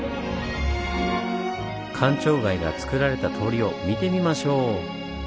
官庁街がつくられた通りを見てみましょう。